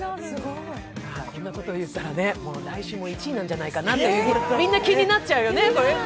そんなことを言ったら来週も１位じゃないかってみんな気になっちゃうよね。